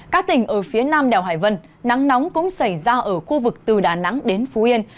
các tỉnh ở phía nam đèo hải vân nắng nóng cũng xảy ra ở khu vực từ đà nẵng đến phú yên